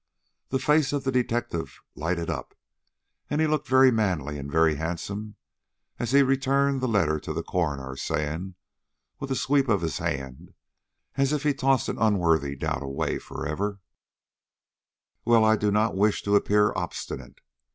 The face of the detective lighted up, and he looked very manly and very handsome as he returned the letter to the coroner, saying, with a sweep of his hand as if he tossed an unworthy doubt away forever: "Well, I do not wish to appear obstinate.